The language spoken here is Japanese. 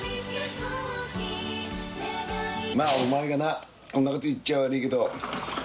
まぁお前がなこんなこと言っちゃあ悪いけど。